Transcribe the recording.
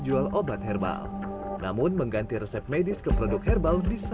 dia mencoba membuang pelajaran dengan kemampuan membeli perubatan herbal berbalwan